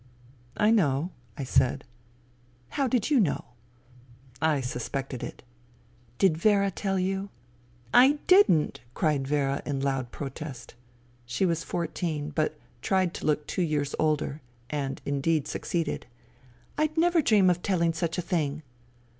" I know," I said. " How did you know ?'*" I suspected it." " Did Vera tell you ?"" I didn't !" cried Vera in loud protest. She was fourteen, but tried to look two years older, and indeed succeeded. " I'd never dream of telling such a thing."